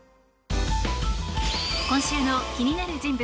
今週の気になる人物